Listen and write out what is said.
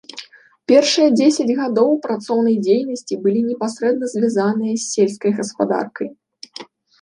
Першыя дзесяць гадоў працоўнай дзейнасці былі непасрэдна звязаныя з сельскай гаспадаркай.